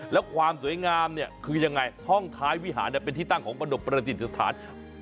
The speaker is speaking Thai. แล้วความสวยงามเนี่ยคือยังไงช่องท้ายวิหารเป็นที่ตั้งของประดบประจิตสถาน